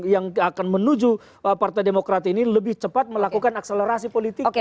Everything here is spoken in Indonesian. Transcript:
yang akan menuju partai demokrat ini lebih cepat melakukan akselerasi politiknya